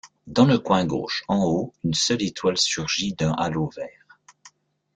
Dans le coin gauche, en haut, une seule étoile surgit d'un halo vert.